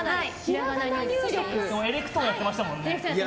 エレクトーンやってましたもんね。